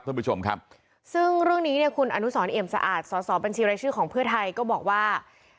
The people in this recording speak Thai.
ท่านผู้ชมครับซึ่งเรื่องนี้เนี่ยคุณอนุสรเอี่ยมสะอาดสอสอบัญชีรายชื่อของเพื่อไทยก็บอกว่า